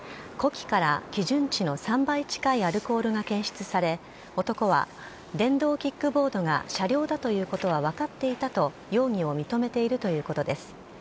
呼気から基準値の３倍近いアルコールが検出され男は、電動キックボードが車両だということは分かっていたと容疑を認めているということです。